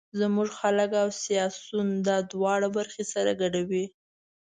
زموږ خلک او سیاسون دا دواړه برخې سره ګډوي.